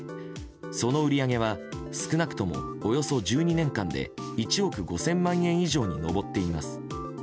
その売り上げは少なくともおよそ１２年間で１億５０００万円以上に上っています。